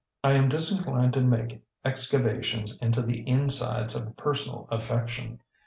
I am disinclined to make excavations into the insides of a personal affection.